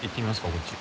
こっち。